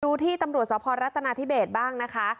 ที่ตำรวจสพรัฐนาธิเบสบ้างนะคะ